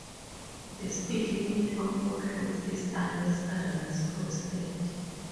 The speed limit on all roads is unless otherwise posted.